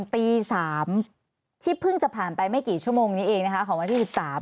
ตี๓ที่เพิ่งจะผ่านไปไม่กี่ชั่วโมงนี้เองนะคะของวันที่๑๓